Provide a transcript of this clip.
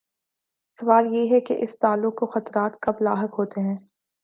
سوال یہ ہے کہ اس تعلق کو خطرات کب لاحق ہوتے ہیں؟